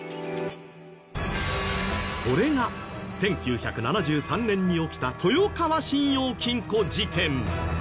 それが１９７３年に起きた豊川信用金庫事件。